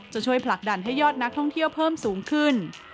จะช่วยผลักดันให้ยอดนักท่องเที่ยวเพิ่มสูงขึ้น